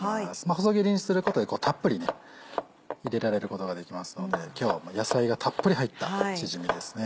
細切りにすることでたっぷり入れられることができますので今日野菜がたっぷり入ったチヂミですね。